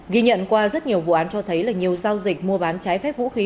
ghi nhận qua rất nhiều vụ án cho thấy là nhiều giao dịch mua bán trái phép vũ khí